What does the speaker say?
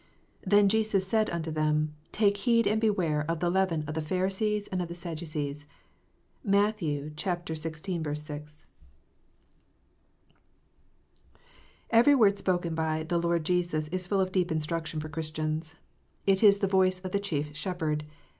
Then Jesus said unto them, Take heed and beware of the leaven of the Pharisees and of the &wMwees. " MATT. xvi. 6. EVERY word spoken by the Lord Jesus is full of deep instruction for Christians. It is the voice of the Chief Shepherd.